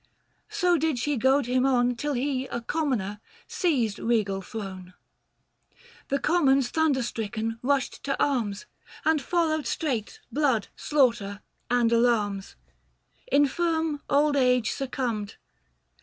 So did she goad him on Till he, a Commoner, seized regal throne. The Commons thunder stricken rushed to arms ; And followed straight blood, slaughter, and alarms ; 725 Infirm old age succumbed.